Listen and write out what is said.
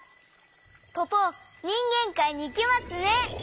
ポポにんげんかいにいけますね！